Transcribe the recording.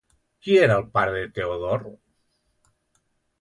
Qui era el pare de Teodor?